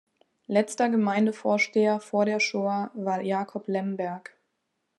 Letzter Gemeindevorsteher vor der Shoa war Jacob Lemberg.